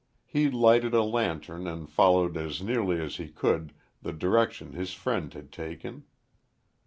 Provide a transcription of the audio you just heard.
He lighted a lantern and followed as nearly as he could the direction his friend had taken.